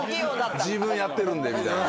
「自分やってるんで」みたいな。